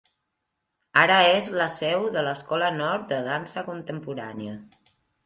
Ara és la seu de l'escola nord de dansa contemporània.